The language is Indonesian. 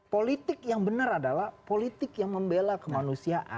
politik yang benar adalah politik yang membela kemanusiaan